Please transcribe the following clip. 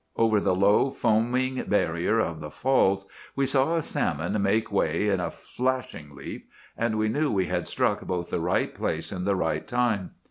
Over the low, foaming barrier of the falls we saw a salmon make way in a flashing leap, and we knew we had struck both the right place and the right time.